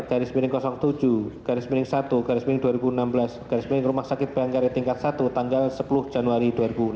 garis mening rumah sakit bangkari tingkat satu tanggal sepuluh januari dua ribu enam belas